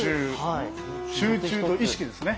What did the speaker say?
集中と意識ですね。